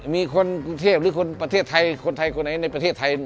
มีคนกรุงเทพฯทัยคนไหนในประเทศไทย